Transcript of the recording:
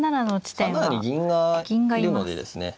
３七に銀がいるのでですね